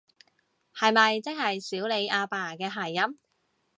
係咪即係少理阿爸嘅諧音？